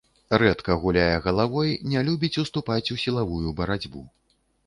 Рэдка гуляе галавой, не любіць уступаць у сілавую барацьбу.